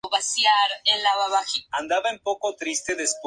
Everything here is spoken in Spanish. La canción apareció en su álbum janet.